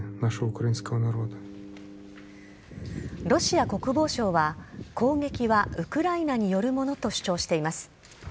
ロシア国防省は攻撃はウクライナによるものと主張しています。